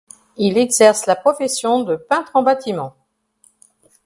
Il exerce la profession de peintre en bâtiment.